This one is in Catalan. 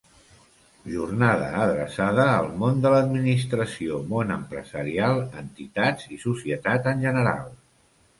Jornada adreçada al món de l'administració, món empresarial, entitats, i societat en general.